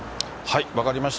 分かりました。